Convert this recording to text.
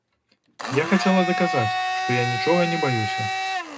Я хацела даказаць, што я нічога не баюся.